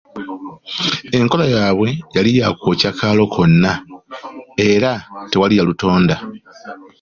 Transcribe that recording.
Enkola yaabwe yali ya kwokya kaalo konna era tewali ya lutonda.